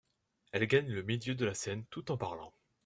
Elle gagne le milieu de la scène tout en parlant.